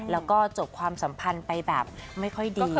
แล้วก็จบความสัมพันธ์ไปแบบไม่ค่อยดี